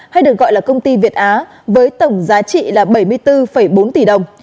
hay được gọi là công ty việt á với tổng giá trị là bảy mươi bốn bốn tỷ đồng